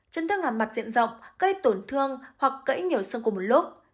trấn thương hàm mặt diện rộng gây tổn thương hoặc gãy nhiều xương cùng một lúc